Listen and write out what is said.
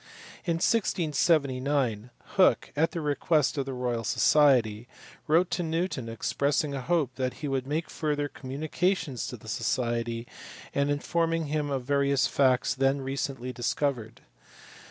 In 1679 Hooke, at the request of the Royal Society, wrote to Newton expressing a hope that he would make further com munications to the Society and informing him of various facts then recently discovered.